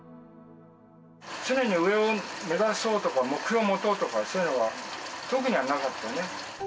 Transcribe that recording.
常に上を目指そうとか、目標を持とうとか、そういうのは特にはなかったね。